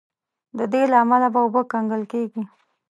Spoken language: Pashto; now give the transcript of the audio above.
د دې له امله به اوبه کنګل کیږي.